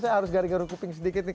saya harus garu garu kuping sedikit nih